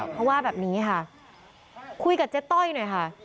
เพราะว่าแบบนี้ค่ะคุยกับเจ๊ต้อยหน่อยค่ะ